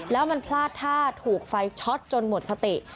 แล้วมันพลาดท่าถูกไฟช็อตจนหมดสติ